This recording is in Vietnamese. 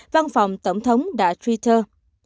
văn phòng tổng thống đã twitter